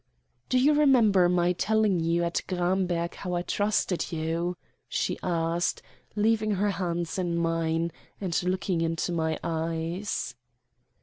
"Do you remember my telling you at Gramberg how I trusted you?" she asked, leaving her hands in mine and looking into my eyes.